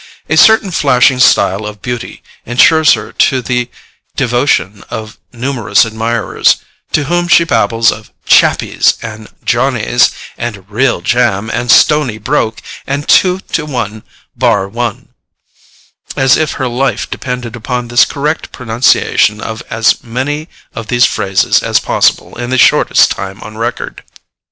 A certain flashing style of beauty ensures to her the devotion of numerous admirers, to whom she babbles of "chappies" and "Johnnies," and "real jam" and "stony broke," and "two to one bar one," as if her life depended upon the correct pronunciation of as many of these phrases as possible in the shortest time on record.